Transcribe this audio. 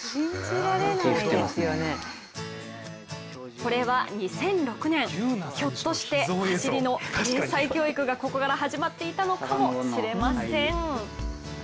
これは２００６年ひょっとして走りの英才教育がここから始まっていたのかもしれません。